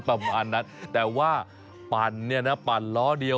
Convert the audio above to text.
ประมาณนั้นแต่ว่าปั่นเนี่ยนะปั่นล้อเดียว